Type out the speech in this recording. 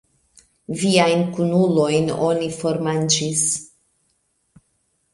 Viajn kunulojn oni formanĝis!